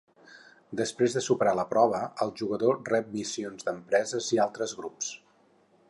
Després de superar la prova, el jugador rep missions d'empreses i altres grups.